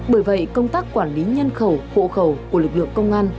bởi vậy công tác quản lý nhân khẩu hộ khẩu của lực lượng công an